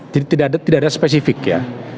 jadi tidak ada spesifik ya